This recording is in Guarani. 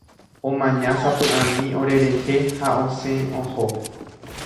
Omañasapyʼami orerehe ha osẽ oho.